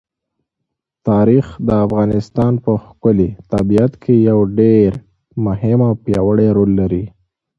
تاریخ د افغانستان په ښکلي طبیعت کې یو ډېر مهم او پیاوړی رول لري.